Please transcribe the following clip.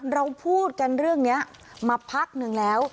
เราพูดกันเรื่องนี้มาพักนึงแล้ว